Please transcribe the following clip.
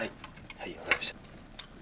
はいわかりました。